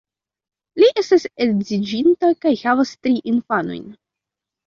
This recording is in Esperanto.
Li estas edziĝinta kaj havas tri infanojn.